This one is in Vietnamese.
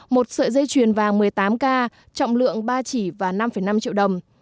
một sợi dây chuyền vàng một mươi tám k trọng lượng ba chỉ và năm năm triệu đồng